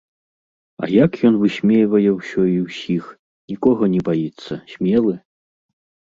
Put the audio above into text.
А як ён высмейвае ўсё і ўсіх, нікога не баіцца, смелы!